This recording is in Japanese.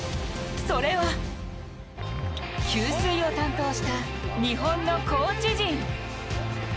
それは、給水を担当した日本のコーチ陣。